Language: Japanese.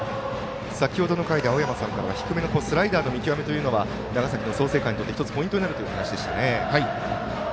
先ほどの回では青山さんからは低めのスライダーの見極めは長崎の創成館にとってポイントになるというお話でした。